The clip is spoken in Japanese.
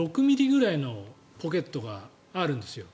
６ｍｍぐらいのポケットがあるんですよ。